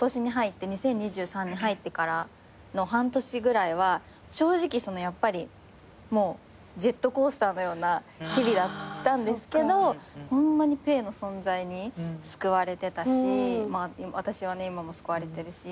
２０２３年入ってからの半年ぐらいは正直やっぱりジェットコースターのような日々だったんですけどホンマにぺえの存在に救われてたし私は今も救われてるし。